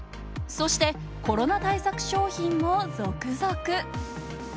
そして、コロナ対策商品も続々。